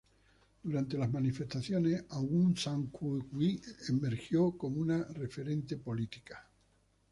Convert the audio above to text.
Durante las manifestaciones, Aung San Suu Kyi emergió como una referente política.